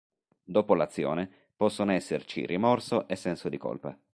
Dopo l'azione possono esserci rimorso e senso di colpa.